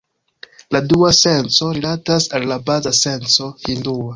La dua senco rilatas al la baza senco hindua.